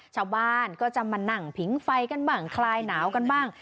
ชาวบ้านก็จะมานั่งผิงไฟกันบ้างคลายหนาวกันบ้าง